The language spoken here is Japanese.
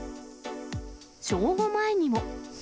正午前にも。